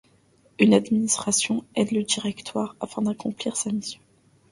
Une administration aide le Directoire afin d'accomplir sa mission.